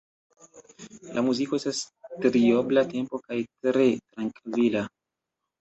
La muziko estas de triobla tempo kaj tre trankvila.